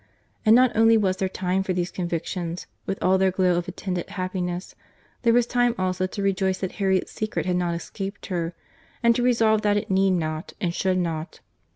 —And not only was there time for these convictions, with all their glow of attendant happiness; there was time also to rejoice that Harriet's secret had not escaped her, and to resolve that it need not, and should not.